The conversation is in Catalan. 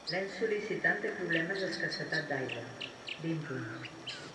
L'ens sol·licitant té problemes d'escassetat d'aigua: vint punts.